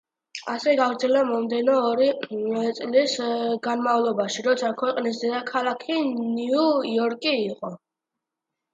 ასე გაგრძელდა მომდევნო ორი წლის განმავლობაში, როცა ქვეყნის დედაქალაქი, ნიუ-იორკი იყო.